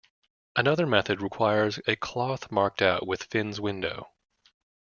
Another method requires a cloth marked out with Finn's Window.